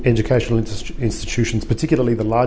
terutama institusi yang lebih besar